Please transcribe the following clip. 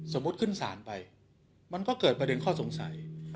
ขึ้นศาลไปมันก็เกิดประเด็นข้อสงสัย